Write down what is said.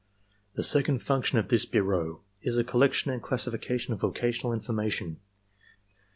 "The second function of this bureau is the collection and classification of vocational information.